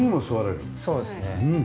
そうですね。